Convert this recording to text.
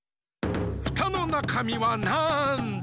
フタのなかみはなんだ？